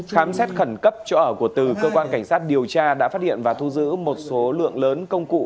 khám xét khẩn cấp chỗ ở của từ cơ quan cảnh sát điều tra đã phát hiện và thu giữ một số lượng lớn công cụ